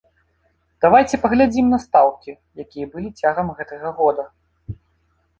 Давайце паглядзім на стаўкі, якія былі цягам гэтага года.